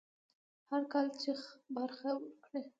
هر کال چې برخه ورکړي.